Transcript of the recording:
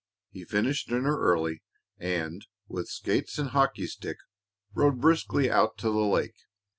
He finished dinner early and, with skates and hockey stick, rode briskly out to the lake.